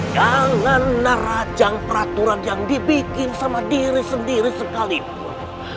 jangan neracang peraturan yang dibikin sama diri sendiri sekalipun